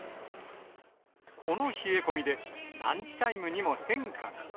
この冷え込みで、ランチタイムにも変化が。